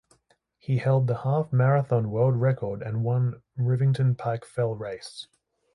He held the Half Marathon world record and won Rivington Pike fell race.